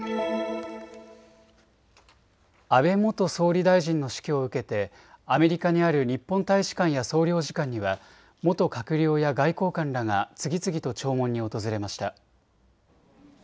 安倍元総理大臣の死去を受けてアメリカにある日本大使館や総領事館には元閣僚や外交官らが次々と弔問に訪れました。